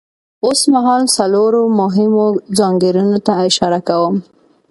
اوسمهال څلورو مهمو ځانګړنو ته اشاره کوم.